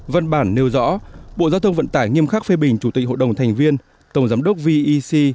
văn bản nêu rõ bộ giao thông vận tải nghiêm khắc phê bình chủ tịch hội đồng thành viên tổng giám đốc vec